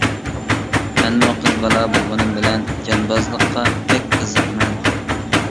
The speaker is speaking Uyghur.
مەنمۇ قىز بالا بولغىنىم بىلەن جانبازلىققا بەك قىزىقىمەن.